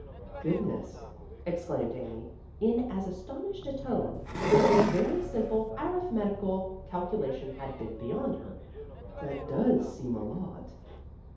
"Goodness," exclaimed Amy in as astonished a tone as if this very simple arithmetical cal culation had been beyond her. "That does seem a lot."